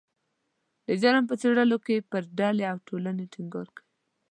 د جرم په څیړلو کې پر ډلې او ټولنې ټینګار کوي